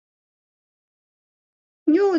花烟草为茄科烟草属下的一个种。